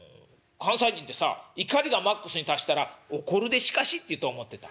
関西人ってさ怒りがマックスに達したら『怒るでしかし』って言うと思ってた」。